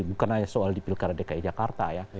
bukan hanya soal di pilkada dki jakarta ya